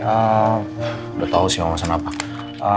udah tahu sih mau pesen apa